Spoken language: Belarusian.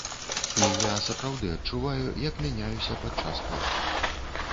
І я сапраўды адчуваю, як мяняюся падчас посту.